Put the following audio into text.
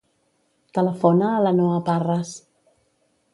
Telefona a la Noha Parres.